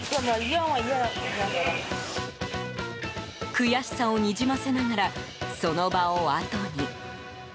悔しさをにじませながらその場をあとに。